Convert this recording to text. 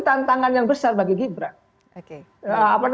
tantangan yang besar bagi gibran